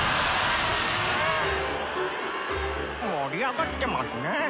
盛り上がってますねぇ。